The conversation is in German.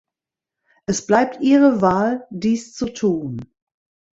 Es bleibt ihre Wahl, dies zu tun.